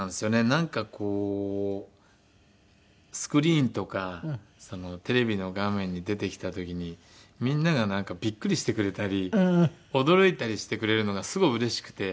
なんかこうスクリーンとかテレビの画面に出てきた時にみんながビックリしてくれたり驚いたりしてくれるのがすごいうれしくて。